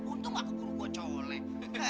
untung aku guru gue cowok leh